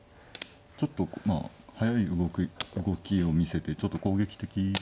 ちょっと速い動きを見せてちょっと攻撃的。